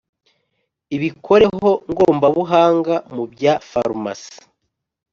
Ibikoreho ngombabuhanga mu bya farumasi